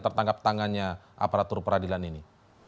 tertangkap tangannya aparatur peradilan ini